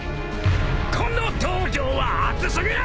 ［この登場は熱すぎる！］